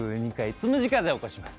つむじ風を起こします。